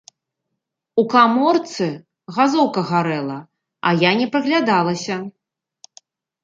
У каморцы газоўка гарэла, а я не прыглядалася.